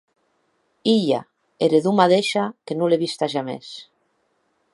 Hilha, heredor madeisha que non l’è vista jamès.